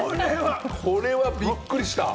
これはびっくりした！